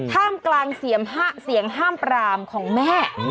ท่ามกลางเสียงห้ามปรามของแม่